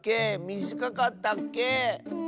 みじかかったっけ？